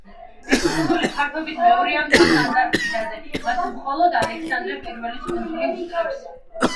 ეს კუნძული ფართობით მეორეა მთელს ანტარქტიდაზე, მას მხოლოდ ალექსანდრე პირველის კუნძული უსწრებს.